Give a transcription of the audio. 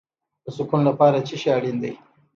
د سکون لپاره څه شی اړین دی؟